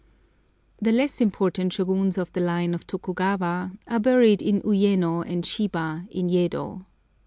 The less important Shôguns of the line of Tokugawa are buried in Uyeno and Shiba, in Yedo.